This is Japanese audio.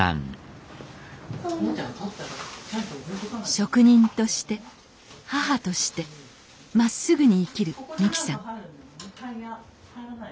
職人として母としてまっすぐに生きる美紀さん